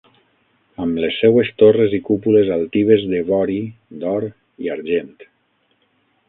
Amb les seues torres i cúpules altives de vori, d’or i argent.